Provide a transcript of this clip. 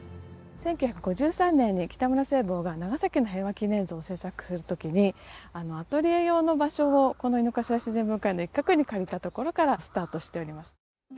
１９５３年に北村西望が長崎の平和祈念像を制作する時にアトリエ用の場所をこの井の頭自然文化園の一角に借りたところからスタートしております。